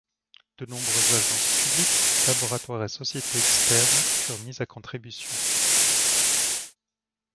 De nombreux agences publiques, laboratoires et sociétés externes furent mis à contribution.